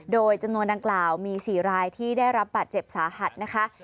โดยจำนวนดังกล่าวมี๔รายที่ได้รับบาดเจ็บสาหัสนะคะ